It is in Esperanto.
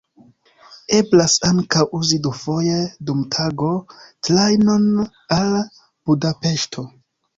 Eblas ankaŭ uzi dufoje dum tago trajnon al Budapeŝto.